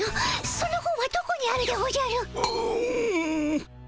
その本はどこにあるでおじゃる？